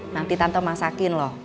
nanti tante masakin loh